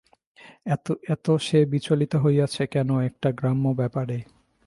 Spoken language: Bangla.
এত সে বিচলিত হইয়াছে কেন একটা গ্রাম্য ব্যাপারে?